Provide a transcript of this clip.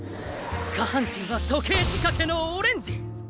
下半身は「時計じかけのオレンジ」。